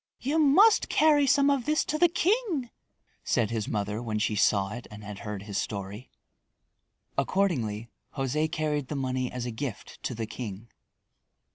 "You must carry some of this to the king," said his mother when she saw it and had heard his story. Accordingly, José carried the money as a gift to the king.